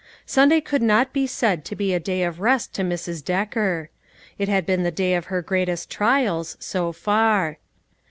Sunday could not be said to be a day of rest tx> Mrs. Decker. It had been the day of her great est trials, so far.